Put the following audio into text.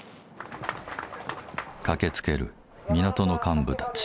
駆けつける港の幹部たち。